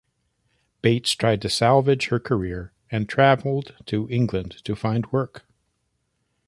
Bates tried to salvage her career and traveled to England to find work.